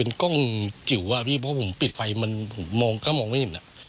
เป็นกล้องจิ๋วเพราะว่าเปลี่ยนไฟมันมองก็มองไม่อิ่ม